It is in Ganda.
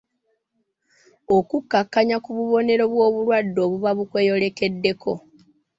Okukkakkanya ku bubonero bw’obulwadde obuba bukweyolekeddeko.